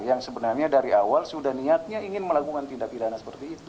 yang sebenarnya dari awal sudah niatnya ingin melakukan tindak pidana seperti itu